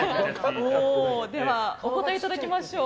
では、お答えいただきましょう。